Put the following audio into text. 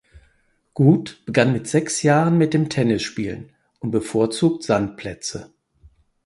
Guth begann mit sechs Jahren mit dem Tennisspielen und bevorzugt Sandplätze.